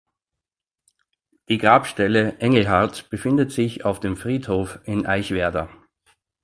Die Grabstelle Engelhardts befindet sich auf dem Friedhof in Eichwerder.